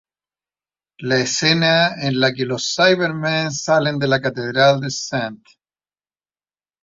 La escena en la que los Cybermen salen de la catedral de St.